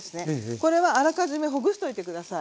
これはあらかじめほぐしておいて下さい。